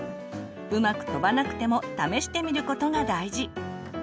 うまく飛ばなくても試してみることが大事。